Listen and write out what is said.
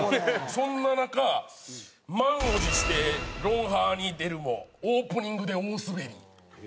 そんな中満を持して『ロンハー』に出るもオープニングで大スベり。